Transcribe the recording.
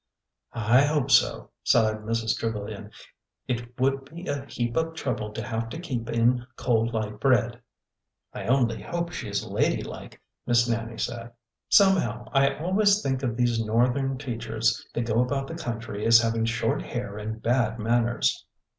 '' I hope so," sighed Mrs. Trevilian. '' It would be a heap of trouble to have to keep in cold light bread." '' I only hope she is ladylike," Miss Nannie said. Somehow, I always think of these Northern teachers that go about the country as having short hair and bad manners."